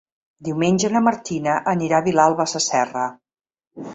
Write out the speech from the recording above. Diumenge na Martina anirà a Vilalba Sasserra.